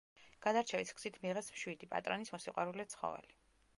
გადარჩევის გზით მიიღეს მშვიდი, პატრონის მოსიყვარულე ცხოველი.